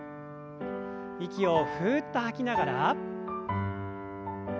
息をふっと吐きながら。